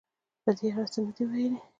په دې اړه څه نه دې ویلي